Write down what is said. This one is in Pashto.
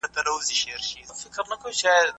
هلته ژباړن د خپل مسلک او پوهې له مخې کتاب ټاکي.